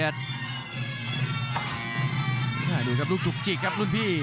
ยังไงยังไง